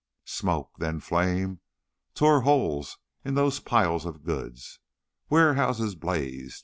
Smoke, then flame, tore holes in those piles of goods. Warehouses blazed.